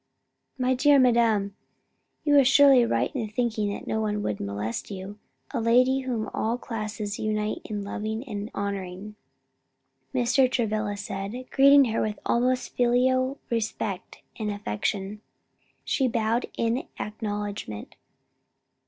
"My dear madam, you are surely right in thinking that no one would molest you a lady whom all classes unite in loving and honoring," Mr. Travilla said, greeting her with almost filial respect and affection. She bowed in acknowledgment.